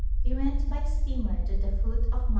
We went by steamer to the foot of Mt.